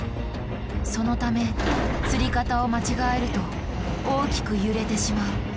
そのためつり方を間違えると大きく揺れてしまう。